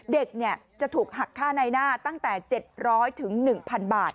เด็กจะถูกหักค่าในหน้าตั้งแต่๗๐๐๑๐๐บาท